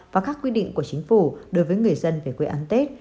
và các quy định của chính phủ đối với người dân về quê ăn tết